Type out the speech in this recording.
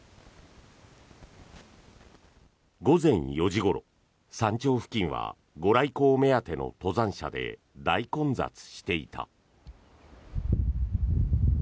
午前４時ごろ、山頂付近はご来光目当ての登山者で大混雑していた。